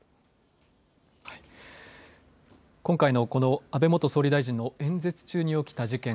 今回のこの安倍元総理大臣の演説中に起きた事件。